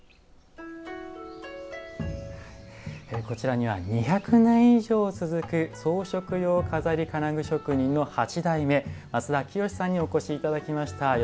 こちらには２００年以上続く装飾用錺金具職人の八代目松田聖さんにお越しいただきました。